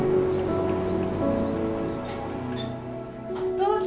どうぞ。